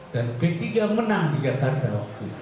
dan b tiga menang di jakarta waktu itu